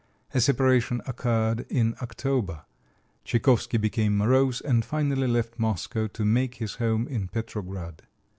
A separation occurred in October. Tchaikovsky became morose, and finally left Moscow to make his home in Petrograd.